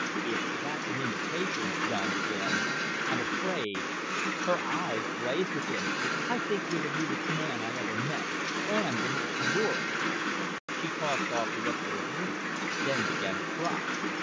"If that's an invitation," Don began, "I'm afraid " Her eyes blazed at him. "I think you're the rudest man I ever met. And the most boorish." She tossed off the rest of her drink, then began to cry.